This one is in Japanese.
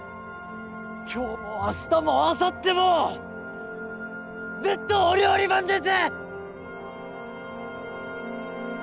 今日も明日もあさってもずっとお料理番です！